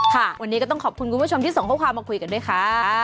ค่ะวันนี้ก็ต้องขอบคุณคุณผู้ชมที่ส่งข้อความมาคุยกันด้วยค่ะ